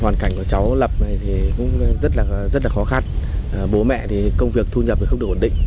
hoàn cảnh của cháu lập này thì cũng rất là khó khăn bố mẹ thì công việc thu nhập không được ổn định